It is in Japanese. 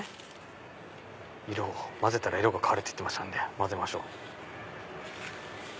混ぜたら色が変わるって言ってましたので混ぜましょう。